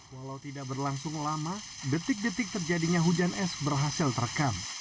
walau tidak berlangsung lama detik detik terjadinya hujan es berhasil terekam